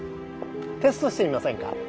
テストしてみませんか？